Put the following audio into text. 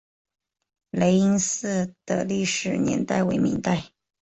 雷音寺的历史年代为明代。